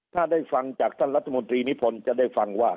ถ้าได้ฟังจากท่านรัฐมนตรีนิพนธ์จะได้ฟังว่า